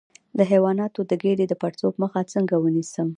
د حیواناتو د ګیډې د پړسوب مخه څنګه ونیسم؟